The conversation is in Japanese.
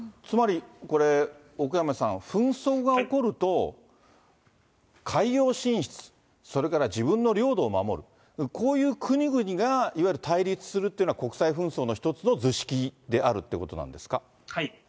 つまりこれ、奥山さん、紛争が起こると、海洋進出、それから自分の領土を守る、こういう国々がいわゆる対立するっていうのが、国際紛争の一つの図式であるっていうことなんですか。